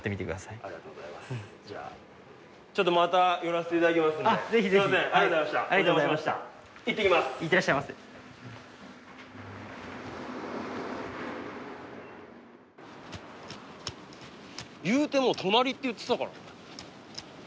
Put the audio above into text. いうても隣って言ってたから。